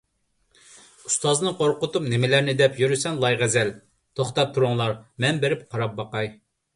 ئۇستازنى قورقۇتۇپ نېمىلەرنى دەپ يۈرىسەن، لايغەزەل! توختاپ تۇرۇڭلار، مەن بېرىپ قاراپ باقاي.